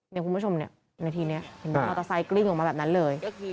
เนี่ยคุณผู้ชมเนี่ยนาทีนี้มอเตอร์ไซคลิ้มออกมาแบบนั้นเลย